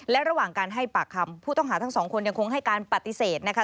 และระหว่างการให้ปากคำผู้ต้องหาทั้งสองคนยังคงให้การปฏิเสธนะคะ